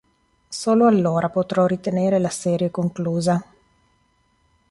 Solo allora potrò ritenere la serie conclusa.